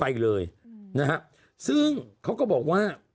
ไปเลยนะฮะซึ่งเขาก็บอกว่า